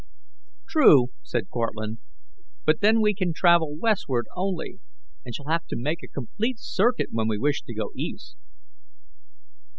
"True," said Cortlandt, "but then we can travel westward only, and shall have to make a complete circuit when we wish to go east."